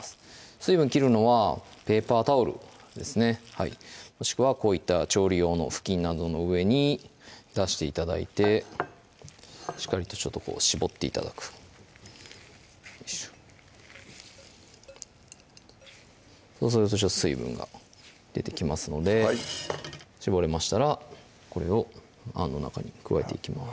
水分切るのはペーパータオルですねもしくはこういった調理用の布巾などの上に出して頂いてしっかりとこう絞って頂くそうするとちょっと水分が出てきますので絞れましたらこれをあんの中に加えていきます